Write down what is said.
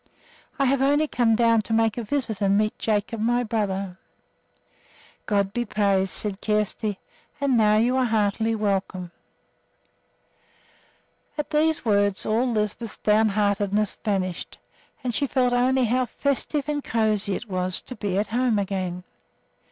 I have only come down to make a visit and meet Jacob, my brother." "God be praised!" said Kjersti. "And now you are heartily welcome." At these words all Lisbeth's downheartedness vanished, and she felt only how festive and cozy it was to be at home again.